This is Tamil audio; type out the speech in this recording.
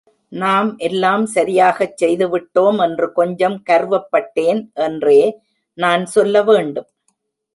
நாம் எல்லாம் சரியாகச் செய்துவிட்டோம் என்று கொஞ்சம் கர்வப்பட்டேன் என்றே நான் சொல்ல வேண்டும்.